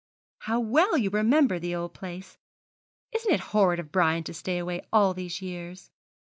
'How well you remember the old place. Isn't it horrid of Brian to stay away all these years?'